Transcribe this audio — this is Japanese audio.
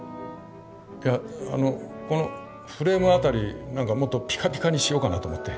いやあのこのフレームあたり何かもっとピカピカにしようかなと思って。